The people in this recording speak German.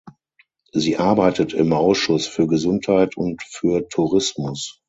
Sie arbeitet im Ausschuss für Gesundheit und für Tourismus.